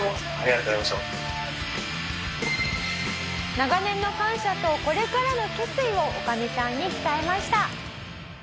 「長年の感謝とこれからの決意を女将さんに伝えました」